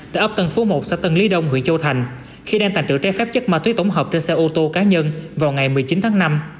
tại ấp tân phú một xã tân lý đông huyện châu thành khi đang tàn trữ trái phép chất ma túy tổng hợp trên xe ô tô cá nhân vào ngày một mươi chín tháng năm